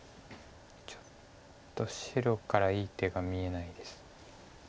ちょっと白からいい手が見えないです。